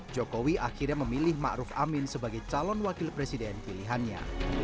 jokowi akhirnya memilih ma'ruf amin sebagai calon wakil presiden pilihannya